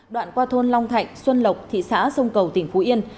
đoạn qua thôn long thạnh xuân lộc thị xã sông cầu tỉnh phú yên